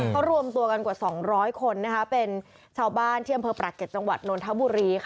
เขารวมตัวกันกว่า๒๐๐คนเป็นชาวบ้านที่อำเภอปรากเก็ตจังหวัดนนทบุรี